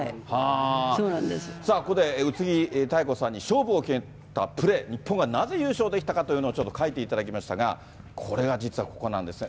さあここで宇津木妙子さんに勝負を決めたプレー、日本がなぜ優勝できたかというのをちょっと書いていただきましたが、これが実はここなんですね。